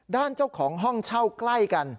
ด้านเจ้าของห้องเช่ากล้ายกัน